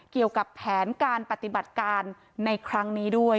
เกี่ยวกับแผนการปฏิบัติการในครั้งนี้ด้วย